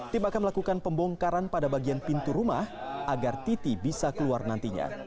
tim akan melakukan pembongkaran pada bagian pintu rumah agar titi bisa keluar nantinya